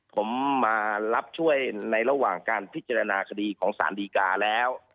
ผมมารับช่วยในระหว่างการพิจารณาคดีของสารดีกาแล้ว